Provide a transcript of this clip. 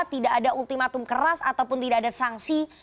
tidak ada ultimatum keras ataupun tidak ada sanksi